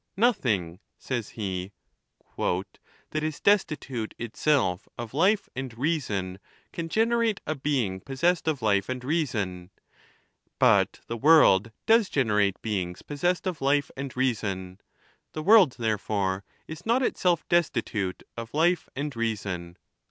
Nothing," says he," that is destitute itself of life and reason can gen erate a being possessed of life and reason ; but the world does generate beings possessed of life and reason; the world, therefore, is not itself destitute of life and reason."